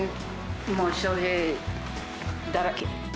もう翔平だらけ。